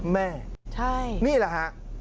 แม่นี่แหละฮะ